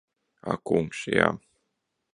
Ak kungs, jā!